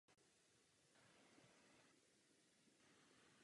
Stroje byly vybaveny novým podvozkem.